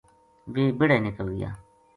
ویہ بیہڑے نکل گیا